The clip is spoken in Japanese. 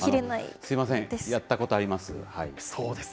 すみません、やったことあります。